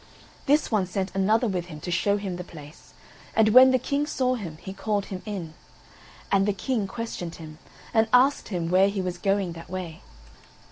This one sent another with him to show him the place; and when the King saw him, he called him in. And the King questioned him, and asked him where he was going that way.